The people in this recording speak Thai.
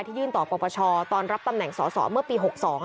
ยื่นต่อปปชตอนรับตำแหน่งสอสอเมื่อปี๖๒